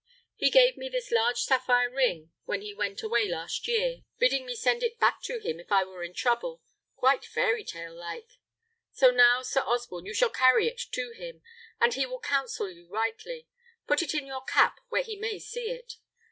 He gave me this large sapphire ring when he went away last year, bidding me send it back to him if I were in trouble: quite fairy tale like. So now, Sir Osborne, you shall carry it to him, and he will counsel you rightly. Put it in your cap, where he may see it.